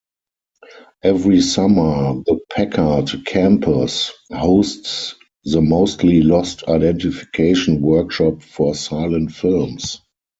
Every summer the Packard Campus hosts the Mostly Lost identification workshop for silent films.